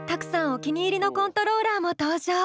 お気に入りのコントローラーも登場！